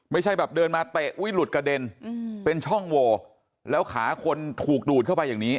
ไม่ใช่แบบเดินมาเตะอุ๊ยหลุดกระเด็นเป็นช่องโวแล้วขาคนถูกดูดเข้าไปอย่างนี้